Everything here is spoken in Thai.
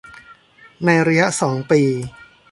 ในระยะสองปี